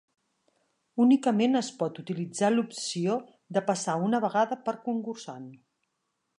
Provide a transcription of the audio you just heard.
Únicament es pot utilitzar l'opció de passar una vegada per concursant.